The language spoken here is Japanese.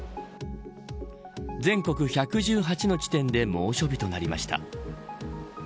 全国１１８の地点で猛暑日となりました。